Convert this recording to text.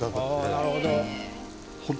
なるほど。